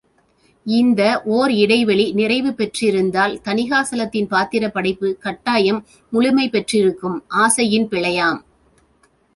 இந்த ஓர் இடைவெளி நிறைவு பெற்றிருந்தால், தணிகாசலத்தின் பாத்திரப் படைப்பு கட்டாயம் முழுமை பெற்றிருக்கும் ஆசையின் பிழையாம்...!